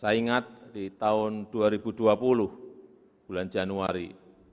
saya ingat di tahun dua ribu dua puluh bulan januari